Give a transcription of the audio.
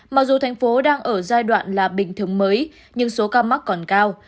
mặc dù thành phố đang ở giai đoạn là bình thường mới nhưng số ca mắc còn cao